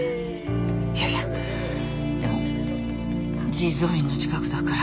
いやいやでも地蔵院の近くだから。